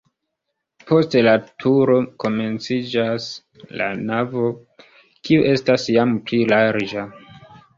Post la turo komenciĝas la navo, kiu estas jam pli larĝa.